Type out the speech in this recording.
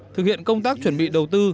thực hiện công tác chuẩn bị đầu tư